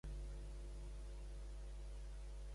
Indica'ns cada sis hores que el nen s'ha de prendre el Dalsy.